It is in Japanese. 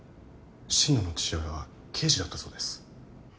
心野の父親は刑事だったそうです。